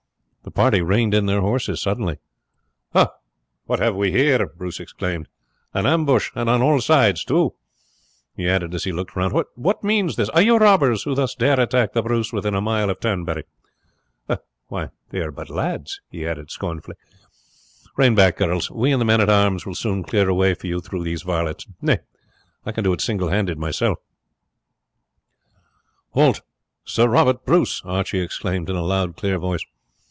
The party reined in their horses suddenly. "Hah! what have we here?" Bruce exclaimed. "An ambush and on all sides too!" he added as he looked round. "What means this? Are you robbers who thus dare attack the Bruce within a mile of Turnberry? Why, they are but lads," he added scornfully. "Rein back, girls; we and the men at arms will soon clear a way for you through these varlets. Nay, I can do it single handed myself." "Halt! Sir Robert Bruce," Archie exclaimed in a loud clear voice.